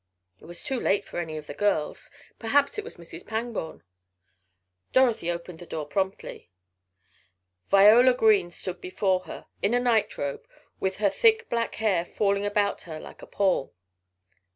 It was too late for any of the girls perhaps it was Mrs. Pangborn! Dorothy opened the door promptly. Viola Green stood before her in a nightrobe, with her thick black hair falling about her like a pall.